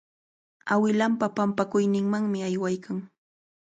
Awilanpa pampakuyninmanmi aywaykan.